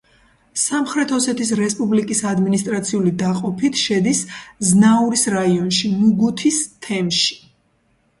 სამხრეთ ოსეთის რესპუბლიკის ადმინისტრაციული დაყოფით შედის ზნაურის რაიონში, მუგუთის თემში.